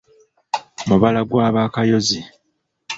Mubala gwa ba Kayozi.